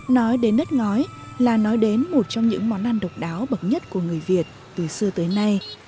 nói đến đất ngói là nói đến một trong những món ăn độc đáo bậc nhất của người việt từ xưa tới nay